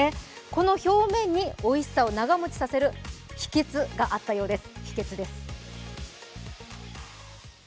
この表面においしさを長もちさせる秘訣があったようです。